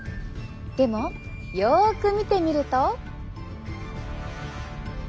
でもよく見てみると。